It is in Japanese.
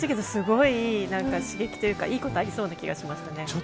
すごい刺激というかいいことありそうな気がしますね。